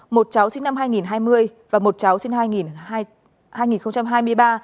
một cháu sinh năm hai nghìn hai mươi và một cháu sinh năm hai nghìn hai mươi ba